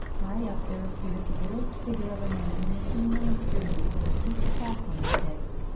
High up there appeared the great figure of a man in a seaman's jersey with a peaked cap on his head.